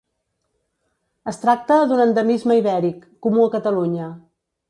Es tracta d'un endemisme ibèric, comú a Catalunya.